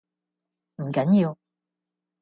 唔緊要